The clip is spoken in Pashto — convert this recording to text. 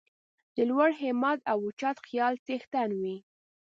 د لوړ همت او اوچت خیال څښتن وي.